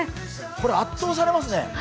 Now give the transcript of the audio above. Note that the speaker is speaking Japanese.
これ、圧倒されますね。